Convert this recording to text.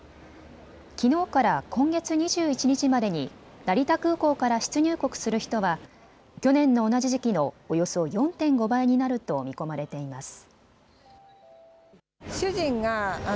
きのうから今月２１日までに成田空港から出入国する人は去年の同じ時期のおよそ４．５倍になると見込まれています。